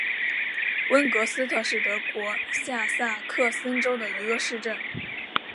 温格斯特是德国下萨克森州的一个市镇。